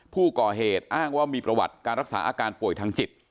ผู้ก่อเหตุอ้างว่ามีประวัติการรักษาอาการป่วยทางจิต